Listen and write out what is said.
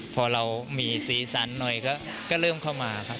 พอเรามีสีสันหน่อยก็เริ่มเข้ามาครับ